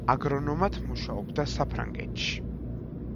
აგრონომად მუშაობდა საფრანგეთში.